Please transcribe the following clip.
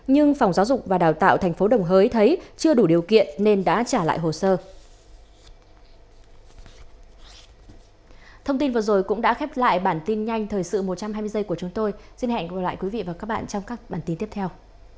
nhưng phòng giáo dục và đào tạo tp đồng hới thấy chưa đủ điều kiện nên đã trả lại hồ sơ